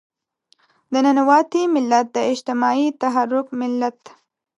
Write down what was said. د ننواتې ملت، د اجتماعي تحرک ملت.